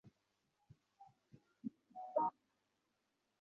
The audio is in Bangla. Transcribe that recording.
আমি তাদের মানা করে দিয়েছি।